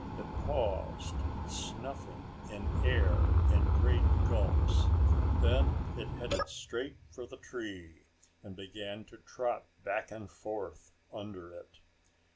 It paused, snuffing in air in great gulps. Then it headed straight for the tree and began to trot back and forth under it.